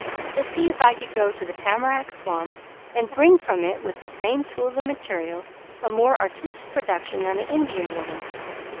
"To see if I could go to the tamarack swamp and bring from it with the same tools and material, a more artistic production than an Indian woman."